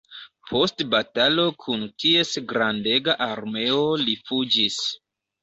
Post batalo kun ties grandega armeo li fuĝis.